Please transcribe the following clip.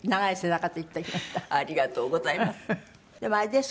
ありがとうございます。